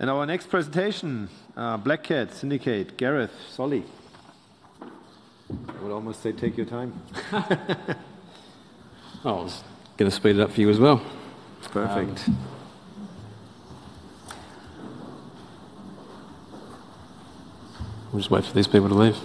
In our next presentation, Black Cat Syndicate, Gareth Solly. I would almost say, take your time. I was going to speed it up for you as well. Perfect. I'm just waiting for these people to leave.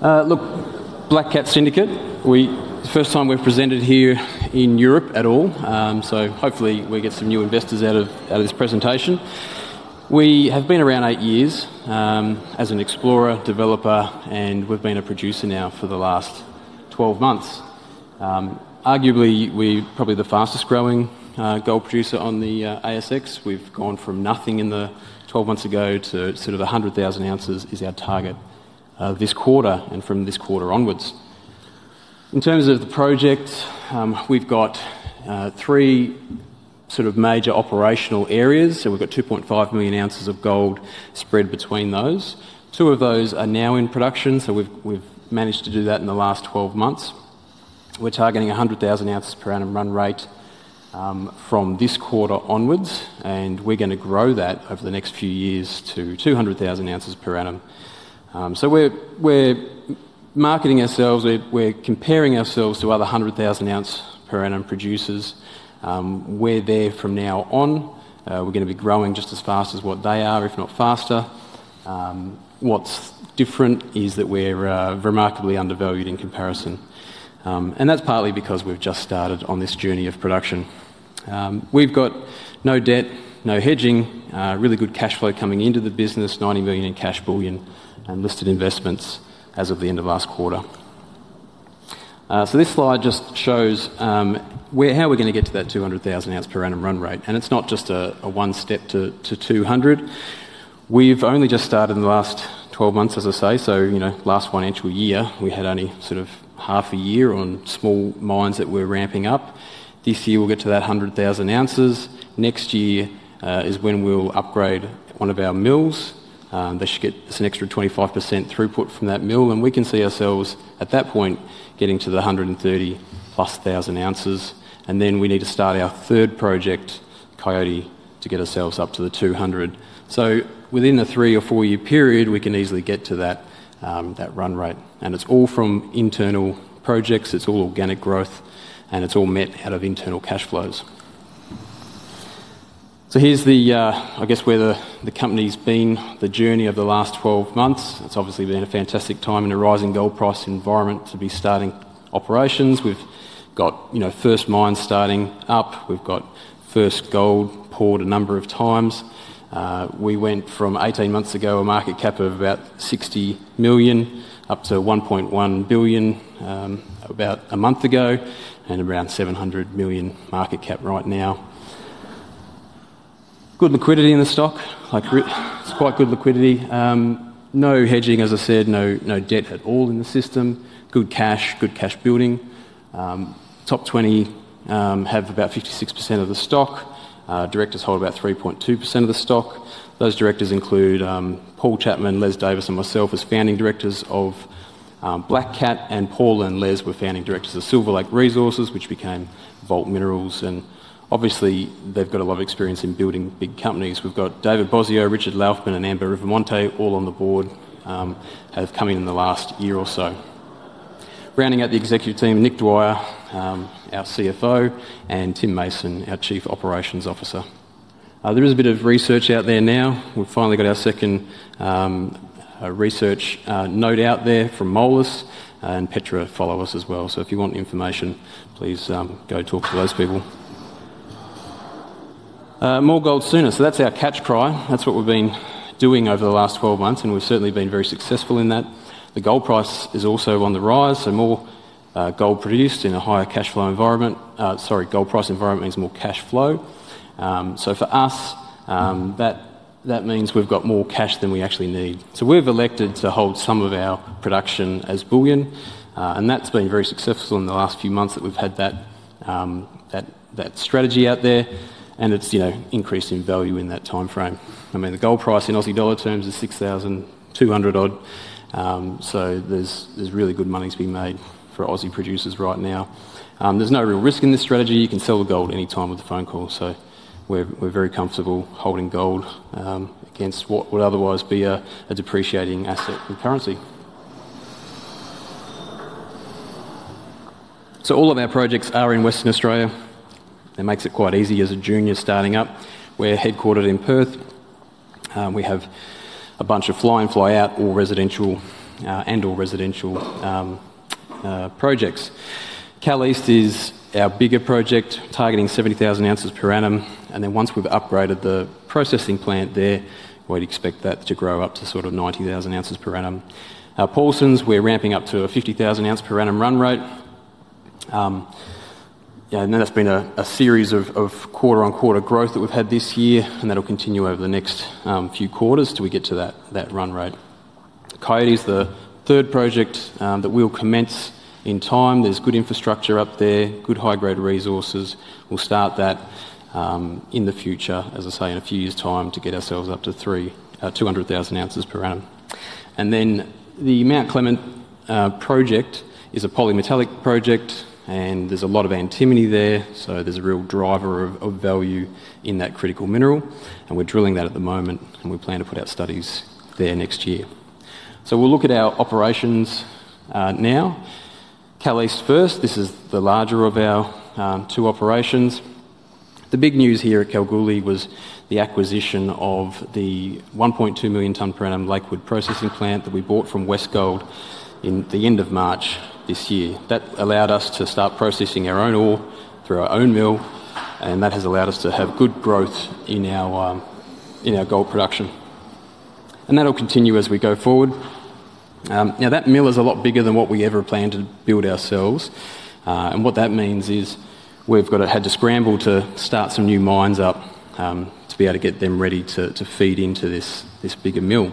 Look, Black Cat Syndicate, the first time we've presented here in Europe at all, so hopefully we get some new investors out of this presentation. We have been around eight years as an explorer, developer, and we've been a producer now for the last 12 months. Arguably, we're probably the fastest-growing gold producer on the ASX. We've gone from nothing in the 12 months ago to sort of 100,000 ounces is our target this quarter and from this quarter onwards. In terms of the project, we've got three sort of major operational areas, so we've got 2.5 million ounces of gold spread between those. Two of those are now in production, so we've managed to do that in the last 12 months. We're targeting 100,000 ounces per annum run rate from this quarter onwards, and we're going to grow that over the next few years to 200,000 ounces per annum. We're marketing ourselves, we're comparing ourselves to other 100,000 ounce per annum producers. We're there from now on. We're going to be growing just as fast as what they are, if not faster. What's different is that we're remarkably undervalued in comparison, and that's partly because we've just started on this journey of production. We've got no debt, no hedging, really good cash flow coming into the business, 90 million in cash bullion and listed investments as of the end of last Quarter. This slide just shows how we're going to get to that 200,000 ounce per annum run rate, and it's not just a one step to 200. We've only just started in the last 12 months, as I say, so last financial year, we had only sort of half a year on small mines that were ramping up. This year we'll get to that 100,000 ounces. Next year is when we'll upgrade one of our mills. They should get an extra 25% throughput from that mill, and we can see ourselves at that point getting to the 130-plus thousand ounces, and then we need to start our third project, Coyote, to get ourselves up to the 200. Within a three or four-year period, we can easily get to that run rate, and it's all from internal projects, it's all organic growth, and it's all met out of internal cash flows. Here's where the company's been, the journey of the last 12 months. It's obviously been a fantastic time in a rising gold price environment to be starting operations. We've got first mines starting up, we've got first gold poured a number of times. We went from 18 months ago a market cap of about 60 million up to 1.1 billion about a month ago and around 700 million market cap right now. Good liquidity in the stock, like it's quite good liquidity. No hedging, as I said, no debt at all in the system. Good cash, good cash building. Top 20 have about 56% of the stock. Directors hold about 3.2% of the stock. Those directors include Paul Chapman, Les Davis, and myself as founding directors of Black Cat, and Paul and Les were founding directors of Silver Lake Resources, which became Vault Minerals. Obviously, they've got a lot of experience in building big companies. We've got David Bosio, Richard Laufman, and Amber Rivamonte all on the board have come in in the last year or so. Rounding out the executive team, Nick Dwyer, our CFO, and Tim Mason, our Chief Operations Officer. There is a bit of research out there now. We've finally got our second research note out there from Morgans, and Petra follows us as well, so if you want information, please go talk to those people. More gold sooner, so that's our catch cry. That's what we've been doing over the last 12 months, and we've certainly been very successful in that. The gold price is also on the rise, so more gold produced in a higher cash flow environment. Sorry, gold price environment means more cash flow. For us, that means we've got more cash than we actually need. We've elected to hold some of our production as bullion, and that's been very successful in the last few months that we've had that strategy out there, and it's increased in value in that time frame. I mean, the gold price in AUD terms is 6,200 odd, so there's really good money to be made for Aussie producers right now. There's no real risk in this strategy. You can sell the gold anytime with a phone call, so we're very comfortable holding gold against what would otherwise be a depreciating asset in currency. All of our projects are in Western Australia. It makes it quite easy as a junior starting up. We're headquartered in Perth. We have a bunch of fly-in, fly-out, all residential and all residential projects. Kal East is our bigger project, targeting 70,000 ounces per annum, and then once we've upgraded the processing plant there, we'd expect that to grow up to sort of 90,000 ounces per annum. Paulsen's, we're ramping up to a 50,000 ounce per annum run rate. That has been a series of quarter-on-quarter growth that we've had this year, and that'll continue over the next few quarters till we get to that run rate. Coyote is the third project that we'll commence in time. There's good infrastructure up there, good high-grade resources. We'll start that in the future, as I say, in a few years' time to get ourselves up to 200,000 ounces per annum. Then the Mount Clement project is a polymetallic project, and there's a lot of antimony there, so there's a real driver of value in that critical mineral, and we're drilling that at the moment, and we plan to put out studies there next year. We'll look at our operations now. Kal East first. This is the larger of our two operations. The big news here at Kalgoorlie was the acquisition of the 1.2 million ton per annum Lakewood processing plant that we bought from Westgold at the end of March this year. That allowed us to start processing our own ore through our own mill, and that has allowed us to have good growth in our gold production, and that'll continue as we go forward. Now, that mill is a lot bigger than what we ever planned to build ourselves, and what that means is we've had to scramble to start some new mines up to be able to get them ready to feed into this bigger mill,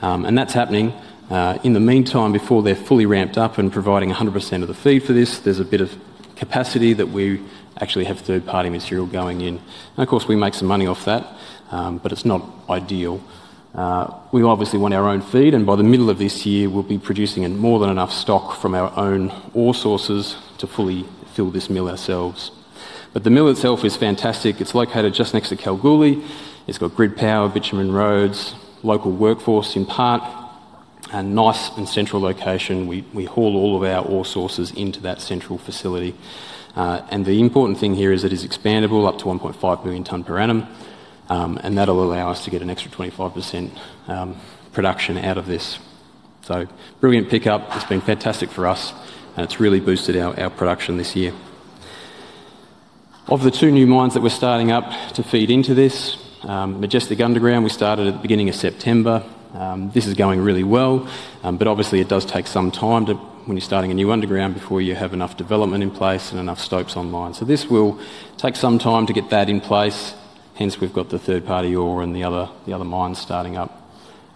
and that's happening. In the meantime, before they're fully ramped up and providing 100% of the feed for this, there's a bit of capacity that we actually have third-party material going in, and of course, we make some money off that, but it's not ideal. We obviously want our own feed, and by the middle of this year, we'll be producing more than enough stock from our own ore sources to fully fill this mill ourselves. The mill itself is fantastic. It's located just next to Kalgoorlie. It's got grid power, bitumen roads, local workforce in part, and nice and central location. We haul all of our ore sources into that central facility, and the important thing here is it is expandable up to 1.5 million ton per annum, and that'll allow us to get an extra 25% production out of this. Brilliant pickup. It's been fantastic for us, and it's really boosted our production this year. Of the two new mines that we're starting up to feed into this, Majestic Underground, we started at the beginning of September. This is going really well, but obviously, it does take some time when you're starting a new underground before you have enough development in place and enough stopes online. This will take some time to get that in place, hence we've got the third-party ore and the other mines starting up.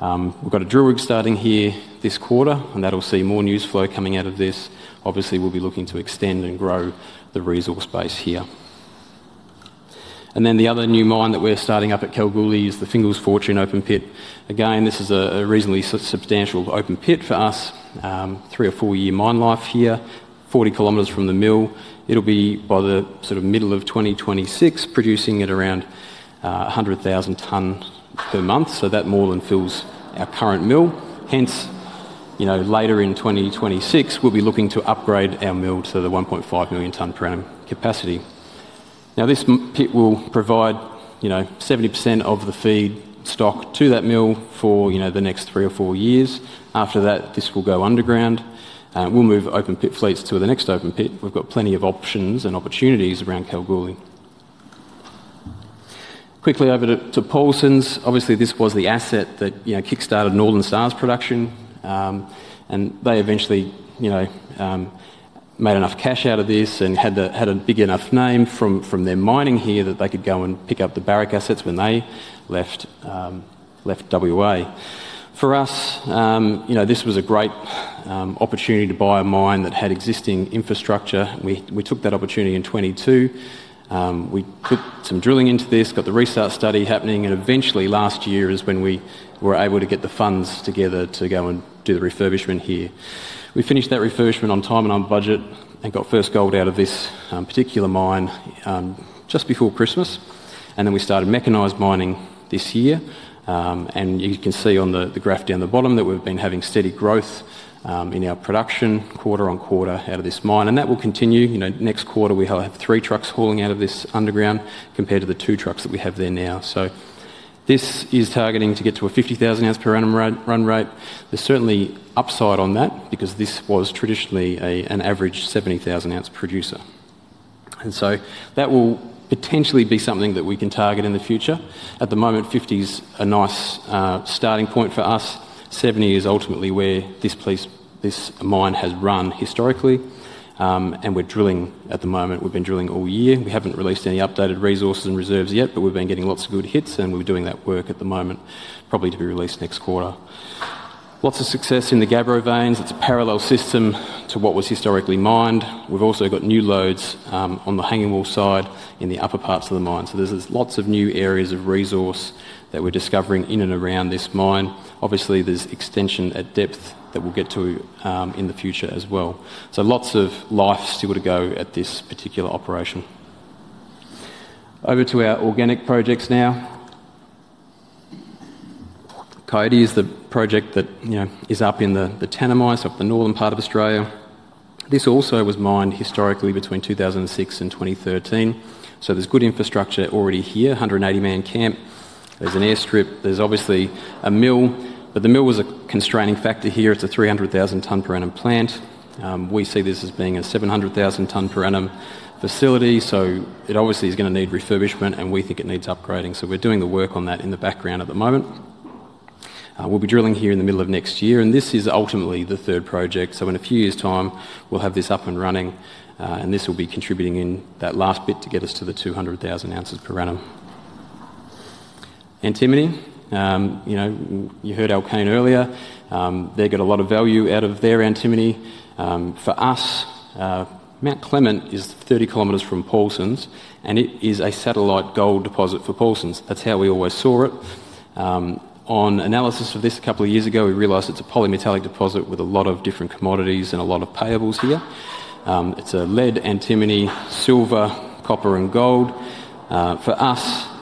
We've got a drill rig starting here this quarter, and that'll see more news flow coming out of this. Obviously, we'll be looking to extend and grow the resource base here. The other new mine that we're starting up at Kalgoorlie is the Fingal's Fortune Open Pit. Again, this is a reasonably substantial open pit for us, three- or four-year mine life here, 40 km from the mill. It will be by the sort of middle of 2026, producing at around 100,000 ton per month, so that more than fills our current mill, hence later in 2026, we'll be looking to upgrade our mill to the 1.5 million ton per annum capacity. Now, this pit will provide 70% of the feedstock to that mill for the next three or four years. After that, this will go underground, and we'll move open pit fleets to the next open pit. We've got plenty of options and opportunities around Kalgoorlie. Quickly over to Paulsen's. Obviously, this was the asset that kickstarted Northern Star's production, and they eventually made enough cash out of this and had a big enough name from their mining here that they could go and pick up the Barrick assets when they left Western Australia. For us, this was a great opportunity to buy a mine that had existing infrastructure. We took that opportunity in 2022. We put some drilling into this, got the restart study happening, and eventually, last year is when we were able to get the funds together to go and do the refurbishment here. We finished that refurbishment on time and on budget and got first gold out of this particular mine just before Christmas, and then we started mechanized mining this year, and you can see on the graph down the bottom that we've been having steady growth in our production quarter on quarter out of this mine, and that will continue. Next quarter, we'll have three trucks hauling out of this underground compared to the two trucks that we have there now. This is targeting to get to a 50,000 ounce per annum run rate. There's certainly upside on that because this was traditionally an average 70,000 ounce producer, and that will potentially be something that we can target in the future. At the moment, 50 is a nice starting point for us. 70 is ultimately where this mine has run historically, and we're drilling at the moment. We've been drilling all year. We haven't released any updated resources and reserves yet, but we've been getting lots of good hits, and we're doing that work at the moment, probably to be released next quarter. Lots of success in the Gavro veins. It's a parallel system to what was historically mined. We've also got new lodes on the hanging wall side in the upper parts of the mine, so there's lots of new areas of resource that we're discovering in and around this mine. Obviously, there's extension at depth that we'll get to in the future as well. Lots of life still to go at this particular operation. Over to our organic projects now. Coyote is the project that is up in the Tanami, up the northern part of Australia. This also was mined historically between 2006 and 2013, so there's good infrastructure already here, 180-man camp. There's an airstrip. There's obviously a mill, but the mill was a constraining factor here. It's a 300,000 ton per annum plant. We see this as being a 700,000 ton per annum facility, so it obviously is going to need refurbishment, and we think it needs upgrading, so we're doing the work on that in the background at the moment. We'll be drilling here in the middle of next year, and this is ultimately the third project, so in a few years' time, we'll have this up and running, and this will be contributing in that last bit to get us to the 200,000 ounces per annum. Antimony. You heard Alkane Resources earlier. They get a lot of value out of their antimony. For us, Mount Clement is 30 kilometers from Paulsen's, and it is a satellite gold deposit for Paulsen's. That's how we always saw it. On analysis of this a couple of years ago, we realized it's a polymetallic deposit with a lot of different commodities and a lot of payables here. It's a lead, antimony, silver, copper, and gold. For us,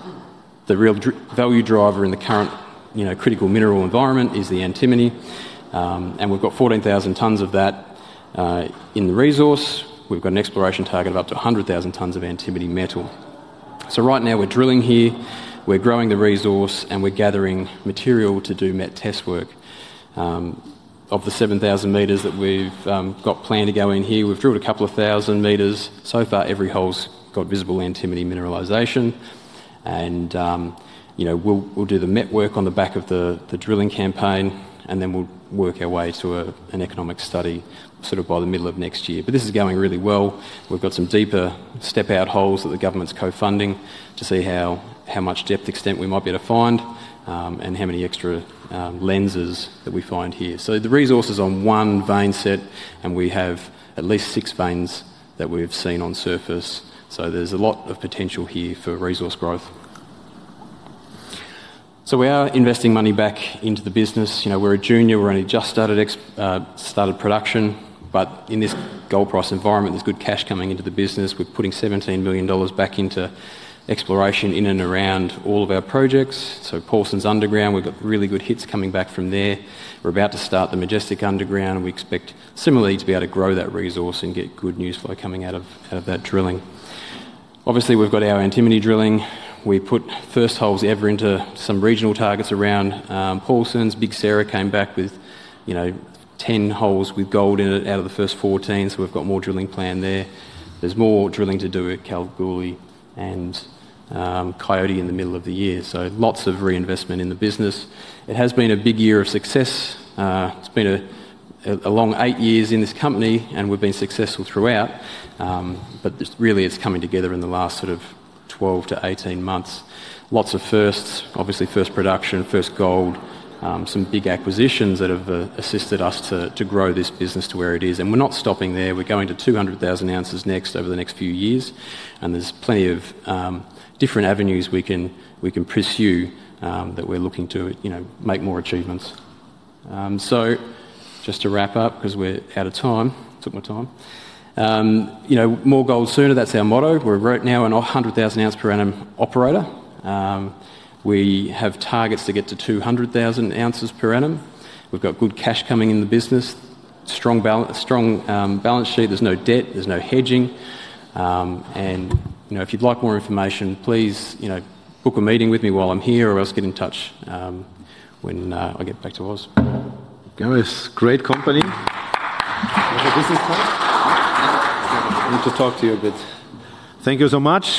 the real value driver in the current critical mineral environment is the antimony, and we've got 14,000 tons of that in the resource. We've got an exploration target of up to 100,000 tons of antimony metal. Right now, we're drilling here. We're growing the resource, and we're gathering material to do met test work. Of the 7,000 meters that we've got planned to go in here, we've drilled a couple of thousand meters. So far, every hole's got visible antimony mineralization, and we'll do the met work on the back of the drilling campaign, and then we'll work our way to an economic study sort of by the middle of next year. This is going really well. We've got some deeper step-out holes that the government's co-funding to see how much depth extent we might be able to find and how many extra lenses that we find here. The resource is on one vein set, and we have at least six veins that we've seen on surface, so there's a lot of potential here for resource growth. We are investing money back into the business. We're a junior. We've only just started production, but in this gold price environment, there's good cash coming into the business. We're putting 17 million dollars back into exploration in and around all of our projects. Paulsen's Underground, we've got really good hits coming back from there. We're about to start the Majestic Underground. We expect similarly to be able to grow that resource and get good news flow coming out of that drilling. Obviously, we've got our antimony drilling. We put first holes ever into some regional targets around Paulsen's. Big Sarah came back with 10 holes with gold in it out of the first 14, so we've got more drilling planned there. There's more drilling to do at Kalgoorlie and Coyote in the middle of the year, so lots of reinvestment in the business. It has been a big year of success. It's been a long eight years in this company, and we've been successful throughout, but really, it's coming together in the last sort of 12-18 months. Lots of firsts, obviously first production, first gold, some big acquisitions that have assisted us to grow this business to where it is, and we're not stopping there. We're going to 200,000 ounces next over the next few years, and there's plenty of different avenues we can pursue that we're looking to make more achievements. Just to wrap up because we're out of time, took my time. More gold sooner, that's our motto. We're now a 100,000 ounce per annum operator. We have targets to get to 200,000 ounces per annum. We've got good cash coming in the business, strong balance sheet. There's no debt. There's no hedging, and if you'd like more information, please book a meeting with me while I'm here, or else get in touch when I get back to us. Guys, great company. Great business time. Good to talk to you a bit. Thank you so much.